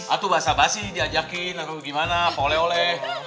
aku basah basih diajakin atau gimana pole ole